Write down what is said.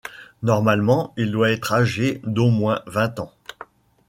Normalement il doit être âgé d'au moins vingt ans.